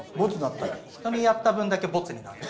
人にやった分だけボツになる。